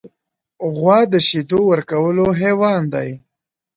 غوا د شیدو ورکولو حیوان دی.